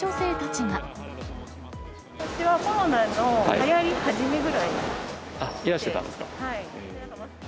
私はコロナのはやり始めぐらいらしてたんですか？